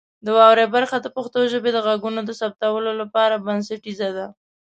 د واورئ برخه د پښتو ژبې د غږونو د ثبتولو لپاره بنسټیزه ده.